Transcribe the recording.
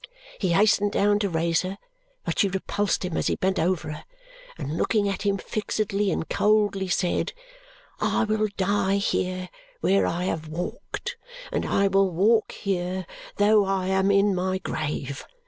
He hastened down to raise her, but she repulsed him as he bent over her, and looking at him fixedly and coldly, said, 'I will die here where I have walked. And I will walk here, though I am in my grave.